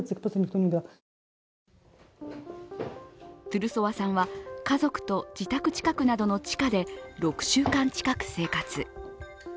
トゥルソワさんは家族と自宅近くなどの地下で６週間近く生活。